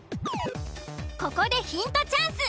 ここでヒントチャンス。